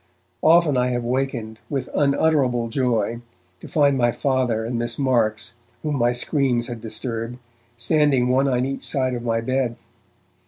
Often have I wakened, with unutterable joy, to find my Father and Miss Marks, whom my screams had disturbed, standing one on each side of my bed.